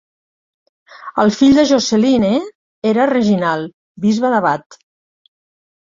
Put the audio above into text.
El fill de Josceline era Reginald, bisbe de Bath.